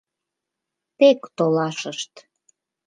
Тек толашышт.